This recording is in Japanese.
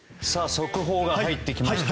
速報が入ってきました。